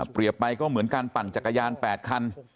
ไปก็เหมือนการปั่นจักรยาน๘คัน